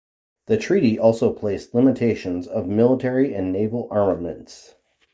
The treaty also placed limitations of military and naval armaments.